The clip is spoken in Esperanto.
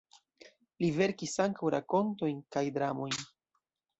Li verkis ankaŭ rakontojn kaj dramojn.